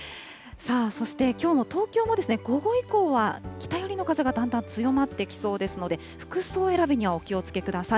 さあ、そして、きょうは東京も、午後以降は北寄りの風がだんだん強まってきそうですので、服装選びにはお気をつけください。